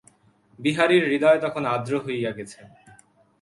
বিহারীর হৃদয় তখন আর্দ্র হইয়া গেছে।